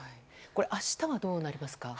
明日はどうなりますか。